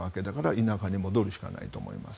田舎に戻るしかないと思います。